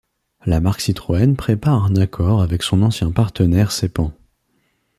La marque Citroën prépare un accord avec son ancien partenaire Saipan.